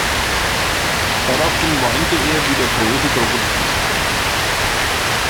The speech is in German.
Daraufhin weinte er wieder große Krokodilstränen.